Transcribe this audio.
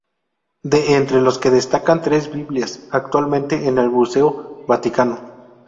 De entre los que destacan tres Biblias, actualmente en el museo vaticano.